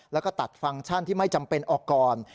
แล้วก็ตัดฟังก์ชั่นที่ไม่จำเป็นออกก่อน